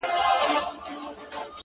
خدايه سندرو کي مي ژوند ونغاړه،